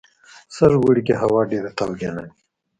سږ اوړي کې هوا ډېره تاوجنه وه.